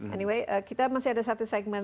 anyway kita masih ada satu segmen